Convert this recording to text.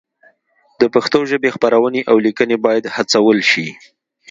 د پښتو ژبې خپرونې او لیکنې باید هڅول شي.